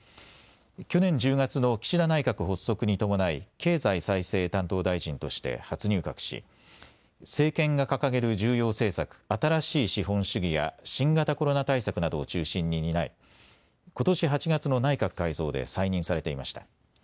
去年１０月の岸田内閣発足に伴い経済再生担当大臣として初入閣し政権が掲げる重要政策、新しい資本主義や新型コロナ対策などを中心に担いことし８月の内閣改造で再任されていました。